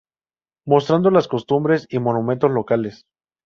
Mostrando las costumbres y monumentos locales.